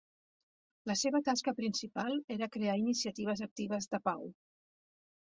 La seva tasca principal era crear iniciatives actives de pau.